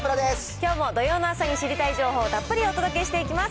きょうも土曜の朝に知りたい情報をたっぷりお届けしていきます。